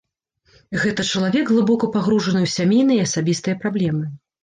Гэта чалавек глыбока пагружаны ў сямейныя і асабістыя праблемы.